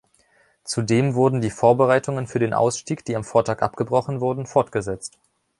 Zudem wurden die Vorbereitungen für den Ausstieg, die am Vortag abgebrochen wurden, fortgesetzt.